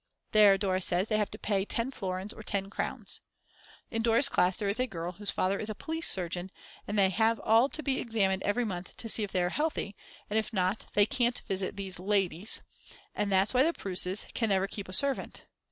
There, Dora says, they have to pay 10 florins or 10 crowns. In Dora's class there is a girl whose father is police surgeon, and they have all to be examined every month to see if they are healthy, and if not they can't visit these "ladies," and that's why the Preusses can never keep a servant.